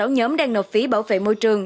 một mươi sáu nhóm đang nộp phí bảo vệ môi trường